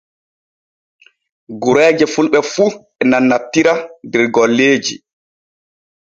Gureeje fulɓe fu e nannantira der golleeji.